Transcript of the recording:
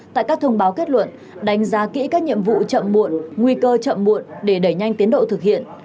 tại các thông báo kết luận đánh giá kỹ các nhiệm vụ chậm muộn nguy cơ chậm muộn để đẩy nhanh tiến độ thực hiện